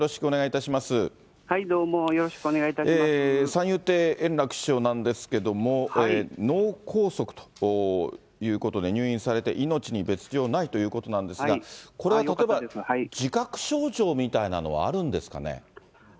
いぬい先生、どうも、よろしくお願いいた三遊亭円楽師匠なんですけれども、脳梗塞ということで入院されて、命に別状ないということなんですが、これは自覚症状みたいなのはあるんですかね。